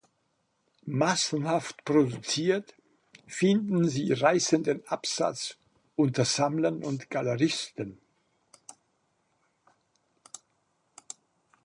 Massenhaft produziert finden sie reißenden Absatz unter Sammlern und Galeristen.